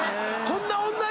こんな女